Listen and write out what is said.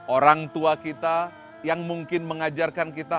orang tua kita yang mungkin mengajarkan kita